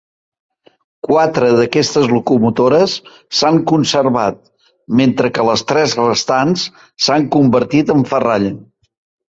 Quatre d'aquestes locomotores s'han conservat, mentre que les tres restants s'han convertit en ferralla.